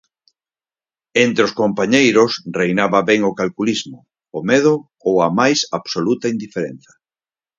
Entre os compañeiros reinaba ben o calculismo, o medo ou a máis absoluta indiferenza.